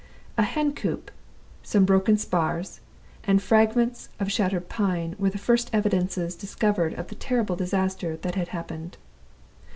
A hen coop, some broken spars, and fragments of shattered plank were the first evidences discovered of the terrible disaster that had happened.